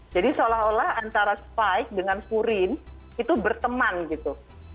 jadi seolah olah antara spike dengan furin itu berteman gitu